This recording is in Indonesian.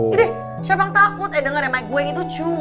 hidih siapa yang takut eh denger ya mike gue yang itu cuma